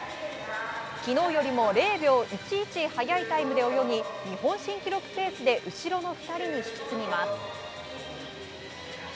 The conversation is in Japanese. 昨日よりも０秒１１速いタイムで泳ぎ日本新記録ペースで後ろの２人に引き継ぎます。